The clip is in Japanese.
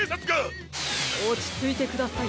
おちついてください。